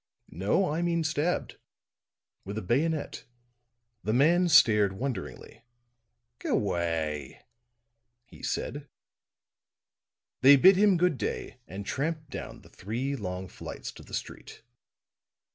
"No, I mean stabbed. With a bayonet." The man stared wonderingly. "G'way," he said. They bid him good day and tramped down the three long flights to the street.